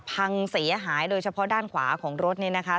พังเสียหายโดยเฉพาะด้านขวาของรถนี่นะคะ